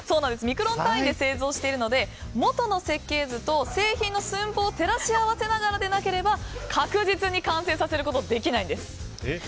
ミクロンレベルで製作してるので元の設計図と製品の寸法を照らし合わせながらでなければ確実に完成させることができないんです。